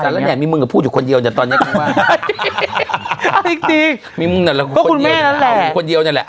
ซัลลาแนนมีมึงก็พูดอยู่คนเดียวเนี่ยตอนนี้กันว่า